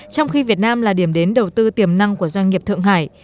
trong khi việt nam là điểm đến đầu tư tiềm năng của doanh nghiệp thượng hải